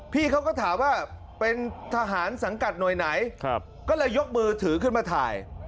พี่เขาก็ถามว่าเป็นทหารสังกัดหน่วยไหนก็เลยยกมือถือขึ้นมาถ่าย